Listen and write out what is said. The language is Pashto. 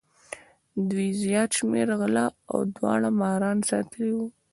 دوی زیات شمېر غله او داړه ماران ساتلي وو.